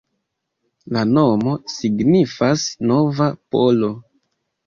La nomo signifas nova-polo.